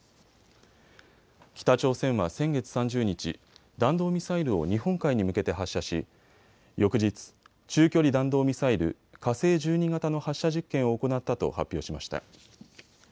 北朝鮮は先月３０日、弾道ミサイルを日本海に向けて発射し翌日、中距離弾道ミサイル、火星１２型の発射実験を行ったと発表しました。